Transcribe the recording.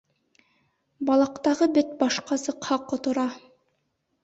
Балаҡтағы бет башҡа сыҡһа, ҡотора.